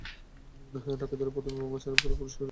ডাকাতেরা প্রথমে বোমা ছোড়ে এবং পরে পুলিশকে লক্ষ করে গুলি করে।